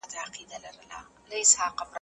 چي اسلام وي د طلا بلا نیولی